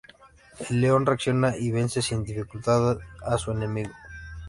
El león reacciona y vence sin dificultad a su enemigo.